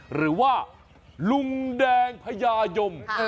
หรือว่าลุงแดงพญายม